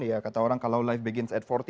ya kata orang kalau life begins at empat puluh